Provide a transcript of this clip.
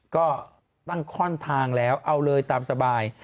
ก็ตั้งข้อนทางแล้วเอาเลยตามสบาย